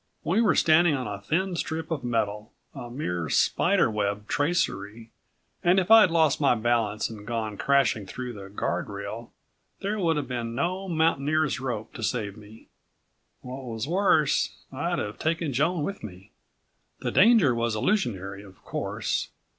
We were standing on a thin strip of metal, a mere spiderweb tracery, and if I'd lost my balance and gone crashing through the guard rail there would have been no mountaineer's rope to save me. What was worse, I'd have taken Joan with me. The danger was illusionary, of course